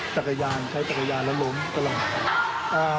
จักรยานใช้จักรยานแล้วล้มตลอด